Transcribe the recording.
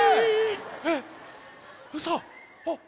えっ？